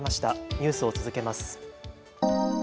ニュースを続けます。